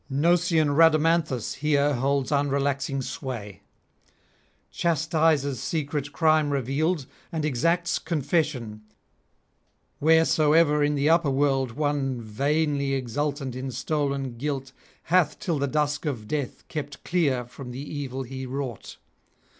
Gnosian Rhadamanthus here holds unrelaxing sway, chastises secret crime revealed, and exacts confession, wheresoever in the upper world one vainly exultant in stolen guilt hath till the dusk of death kept clear from the evil he wrought.